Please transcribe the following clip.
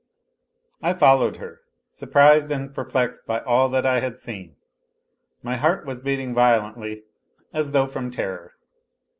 I followed her, surprised and perplexed by all that I had seen. My heart was beating violently, as though from terror.